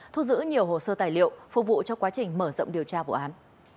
thu giữ nhiều hồ sơ tài liệu phục vụ cho quá trình mở rộng điều tra vụ án